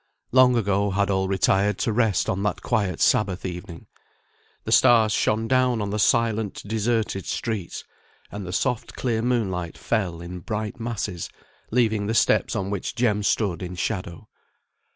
Long ago had all retired to rest on that quiet Sabbath evening. The stars shone down on the silent deserted streets, and the soft clear moonlight fell in bright masses, leaving the steps on which Jem stood in shadow.